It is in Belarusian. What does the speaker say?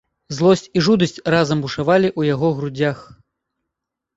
Злосць і жудасць разам бушавалі ў яго грудзях.